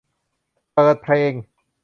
เปิดเพลง